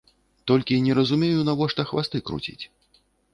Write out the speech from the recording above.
Толькі не разумею, навошта хвасты круціць?